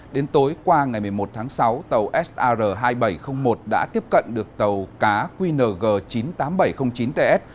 đến tối qua ngày một mươi một tháng sáu tàu sar hai nghìn bảy trăm linh một đã tiếp cận được tàu cá qng chín mươi tám nghìn bảy trăm linh chín ts